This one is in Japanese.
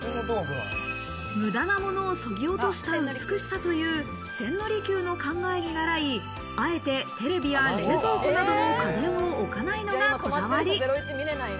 無駄なものそぎ落とした美しさという、千利休の考えにならい、あえてテレビや冷蔵庫などの家電を置かないのがこだわり。